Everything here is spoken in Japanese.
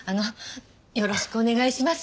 よろしくお願いします。